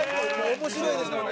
面白いですもんね。